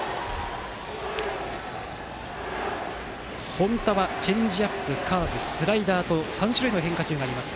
本田はチェンジアップカーブ、スライダーと３種類の変化球があります。